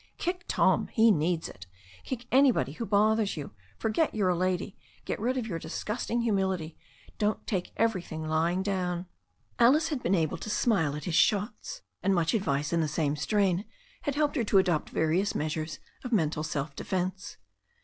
Kick Tom; he needs it. Kick anybody who bothers you. Forget you're a lady. Get rid of your disgusting hu mility. Don't take everything lying down." Alice had been able to smile at his shots, and much advice in the same strain had helped her to adopt various measures of mental self defence.